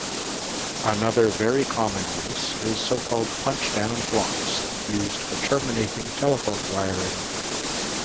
Another very common use is so-called punch-down blocks used for terminating telephone wiring.